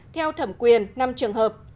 theo thẩm quyền năm trường hợp